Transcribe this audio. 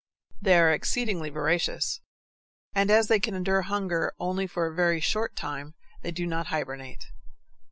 They are exceedingly voracious, and as they can endure hunger only for a very short time, they do not hibernate.